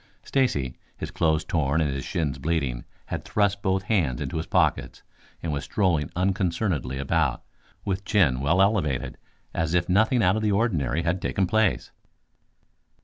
Stacy, his clothes torn and his shins bleeding, had thrust both hands into his pockets, and was strolling unconcernedly about, with chin well elevated, as if nothing out of the ordinary had taken place.